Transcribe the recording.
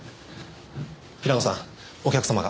平野さんお客様が。